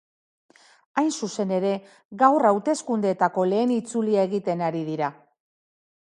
Hain zuzen ere, gaur hauteskundeetako lehen itzulia egiten ari dira.